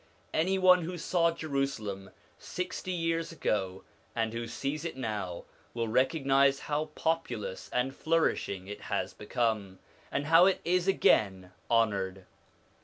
Any one who saw Jerusalem sixty years ago, and who sees it now, will recognise how populous and flourishing it has become, and how it is again honoured.